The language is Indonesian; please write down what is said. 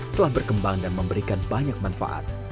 telah berkembang dan memberikan banyak manfaat